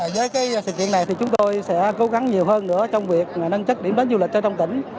với sự kiện này chúng tôi sẽ cố gắng nhiều hơn trong việc nâng chất điểm đến du lịch cho trong tỉnh